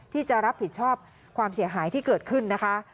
ที่จะรับผิดชอบความเสียหายที่เกิดขึ้นนะคะ